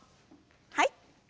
はい。